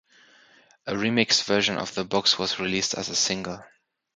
A remixed version of "The Box" was released as a single.